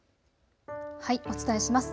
お伝えします。